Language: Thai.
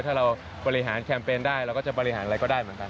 ถ้าเราบริหารแคมเปญได้เราก็จะบริหารอะไรก็ได้เหมือนกัน